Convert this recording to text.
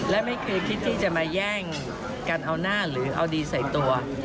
และไม่เคยคิดที่จะมาแย่งกันเอาหน้าหรือเอาดีใส่ตัว